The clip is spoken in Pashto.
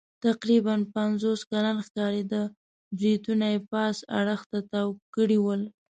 تقریباً پنځوس کلن ښکارېده، برېتونه یې پاس اړخ ته تاو کړي ول.